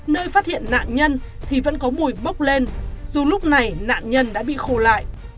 nơi phát hiện nạn nhân thì vẫn có mùi bốc lên dù lúc này nạn nhân đã bị khô lại